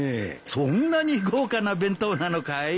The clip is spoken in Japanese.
そんなに豪華な弁当なのかい？